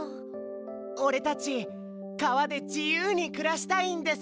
おれたちかわでじゆうにくらしたいんです！